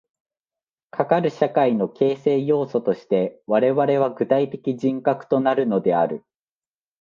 かかる社会の形成要素として我々は具体的人格となるのである。